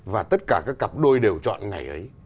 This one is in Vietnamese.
và tất cả các cặp đôi đều chọn ngày ấy